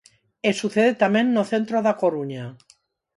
E sucede tamén no centro da Coruña.